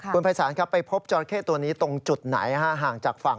คุณภัยศาลครับไปพบจราเข้ตัวนี้ตรงจุดไหนห่างจากฝั่ง